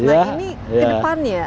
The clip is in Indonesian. nah ini ke depannya